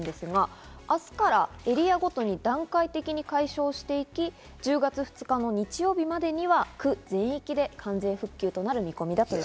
明日からエリアごとに段階的に解消していき、１０月２日の日曜日までには区全域で完全復旧となる見込みです。